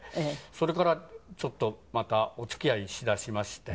それからちょっとまたお付き合いしだしまして。